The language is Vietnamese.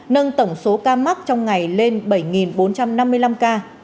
nâng tổng số ca mắc trong ngày lên bảy bốn trăm năm mươi năm ca